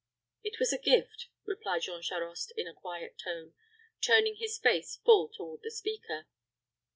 "It was a gift," replied Jean Charost, in a quiet tone, turning his face full toward the speaker.